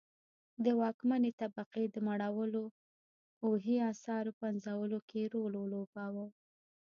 د واکمنې طبقې د مړولو او هي اثارو پنځولو کې رول ولوباوه.